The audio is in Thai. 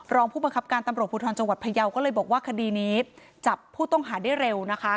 รองผู้บังคับการตำรวจภูทรจังหวัดพยาวก็เลยบอกว่าคดีนี้จับผู้ต้องหาได้เร็วนะคะ